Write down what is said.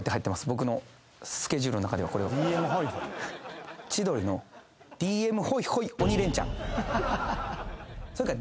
僕のスケジュールん中ではこれは。それか。